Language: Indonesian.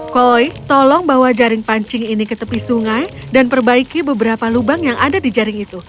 koi tolong bawa jaring pancing ini ke tepi sungai dan perbaiki beberapa lubang yang ada di jaring itu